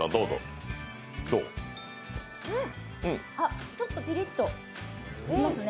うん、ちょっとピリッとしますね。